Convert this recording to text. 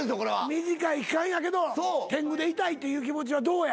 短い期間やけど天狗でいたいっていう気持ちはどうや。